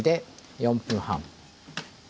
４分半！